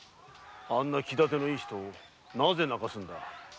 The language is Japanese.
あんな気立てのいい人を何で泣かすんだ？